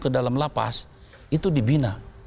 ke dalam lapas itu dibina